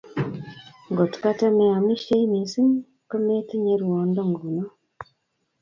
Ngot katameamishei mising, ketemetinye rwondo nguno